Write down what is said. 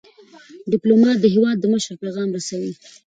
ډيپلومات د هیواد د مشر پیغام رسوي.